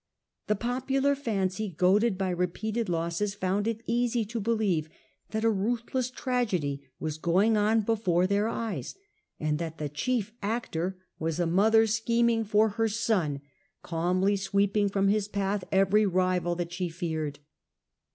The popular fancy, goaded by re ,,/ to secure the peated losses, found it easy to believe that a succcMion 01 ruthless tragedy was going on before their eyes, and that the chief actor was a mother scheming 30 The Earlier Empire, B.c. 31 for her son, calmly sweeping from his path every rival that she feared.